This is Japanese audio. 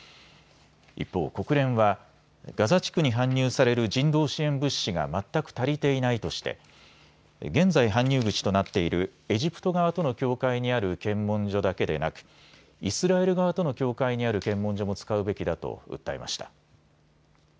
一方、国連はガザ地区に搬入される人道支援物資が全く足りていないとして現在、搬入口となっているエジプト側との境界にある検問所だけでなくイスラエル側との境界にある検問所も使うべきだと訴えました。